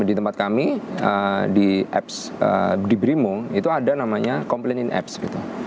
di tempat kami di apps di brimo itu ada namanya complain in apps gitu